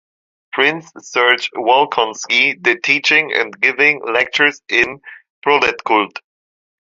Prince Serge Wolkonsky did teaching and giving lectures in Proletcult.